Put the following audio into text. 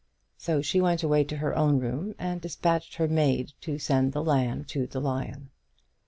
So she went away to her own room, and dispatched her maid to send the lamb to the lion.